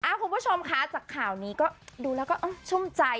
เอ้าคุณผู้ชมค่ะจากข่าวนี้ดูแล้วก็ช่วงใจ